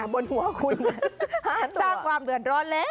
บนหัวคุณสร้างความเดือดร้อนแล้ว